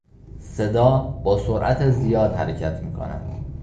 صدا با سرعت زیاد حرکت میکند.